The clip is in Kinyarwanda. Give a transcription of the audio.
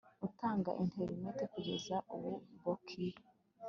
utanga interineti Kugeza ubu bookiye